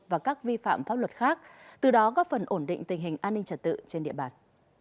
và các vi phạm pháp luật khác từ đó góp phần ổn định tình hình an ninh trật tự trên địa bàn